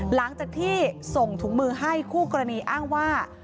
หลังจากที่ส่งถุงมือให้คู่กรณีอ้างว่า